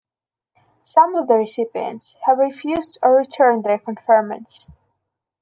Some of the recipients have refused or returned their conferments.